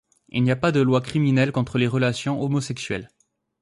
Il n'y a pas de lois criminelles contre les relations homosexuelles.